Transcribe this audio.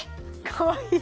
かわいい！